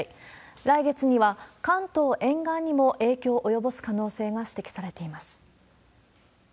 来月には関東沿岸にも影響を及ぼす可能性が指摘されています。